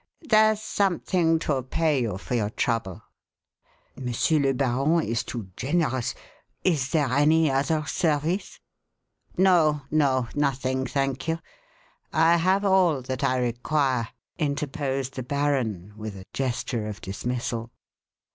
There's something to pay you for your trouble." "Monsieur le Baron is too generous! Is there any other service " "No, no nothing, thank you. I have all that I require," interposed the "Baron" with a gesture of dismissal.